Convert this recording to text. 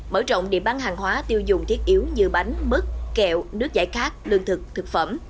mở rộng điểm bán hàng hóa tiêu dùng thiết yếu như bánh mứt kẹo nước giải khát lương thực thực phẩm